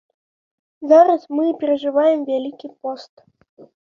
Зараз мы перажываем вялікі пост.